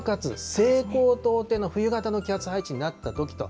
西高東低の冬型の気圧配置になったときと。